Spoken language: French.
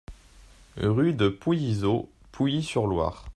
Rue de Pouillyzot, Pouilly-sur-Loire